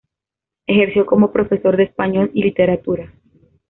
Ejerció como profesora de Español y Literatura.